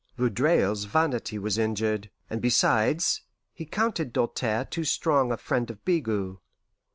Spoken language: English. Vaudreuil's vanity was injured, and besides, he counted Doltaire too strong a friend of Bigot.